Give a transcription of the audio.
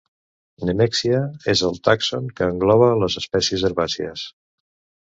"Nemexia" és el tàxon que engloba les espècies herbàcies.